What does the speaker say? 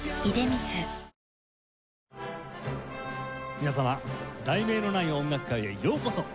皆様『題名のない音楽会』へようこそ。